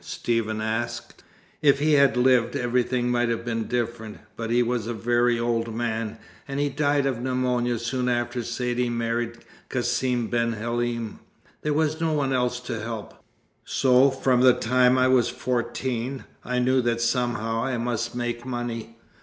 Stephen asked. "If he had lived, everything might have been different; but he was a very old man, and he died of pneumonia soon after Saidee married Cassim ben Halim. There was no one else to help. So from the time I was fourteen, I knew that somehow I must make money.